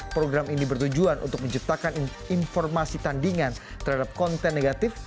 program ini bertujuan untuk menciptakan informasi tandingan terhadap konten negatif